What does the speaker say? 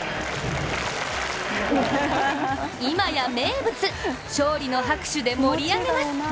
今や名物、勝利の拍手で盛り上げます。